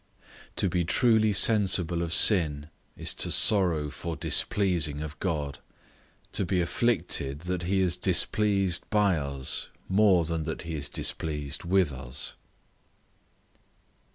To be truly sensible of sin, is to sorrow for displeasing of God: to be afflicted, that he is displeased by us more than that he is displeased with us.